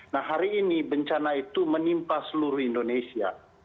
nah hari ini bencana itu menimpa seluruh indonesia